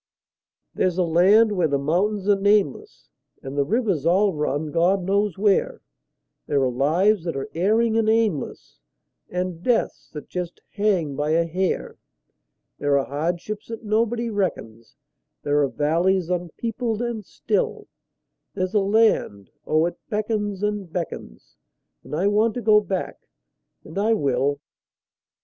There's a land where the mountains are nameless, And the rivers all run God knows where; There are lives that are erring and aimless, And deaths that just hang by a hair; There are hardships that nobody reckons; There are valleys unpeopled and still; There's a land oh, it beckons and beckons, And I want to go back and I will.